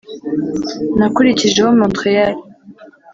nakurikijeho Montreal